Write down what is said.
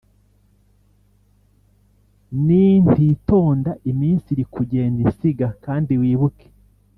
nintitonda iminsi irikugenda insiga kandi wibuke